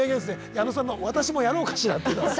矢野さんの「私もやろうかしら」っていうのは。